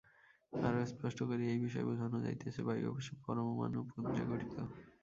আরও স্পষ্ট করিয়া এই বিষয় বুঝান যাইতেছে বায়ু অবশ্য পরমাণুপুঞ্জে গঠিত।